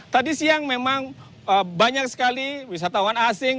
tadi siang memang banyak sekali wisatawan asing